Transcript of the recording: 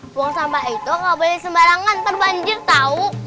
buang sampah itu gak boleh sembarangan ntar banjir tau